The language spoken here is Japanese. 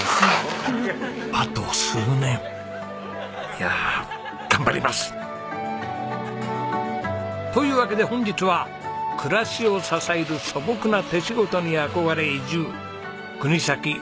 いや頑張ります！というわけで本日は暮らしを支える素朴な手仕事に憧れ移住。